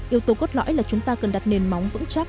yếu tố cốt lõi là chúng ta cần đặt nền móng vững chắc